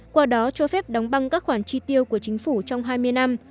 qua đó cho phép đóng băng các khoản chi tiêu của chính phủ trong hai mươi năm